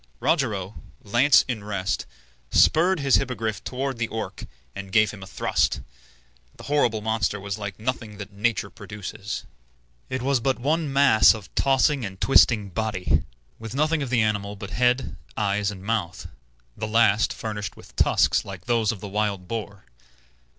Rogero, lance in rest, spurred his Hippogriff toward the Orc, and gave him a thrust. The horrible monster was like nothing that nature produces. It was but one mass of tossing and twisting body, with nothing of the animal but head, eyes, and mouth, the last furnished with tusks like those of the wild boar.